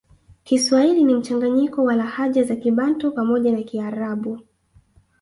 Kiswahili ni mchanganyiko wa lahaja za kibantu pamoja na kiarabu